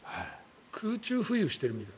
空中浮遊しているみたい。